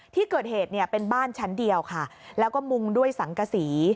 ที่เกิดเหตุเนี่ยเป็นบ้านชั้นเดียวค่ะแล้วก็มุงด้วยสังกษี